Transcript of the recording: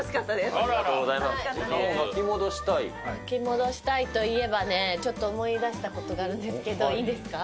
巻き戻したいといえばね、ちょっと思い出したことがあるんですけど、いいですか？